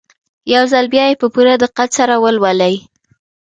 يو ځل بيا يې په پوره دقت سره ولولئ.